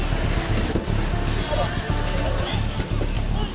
jangan jangan jangan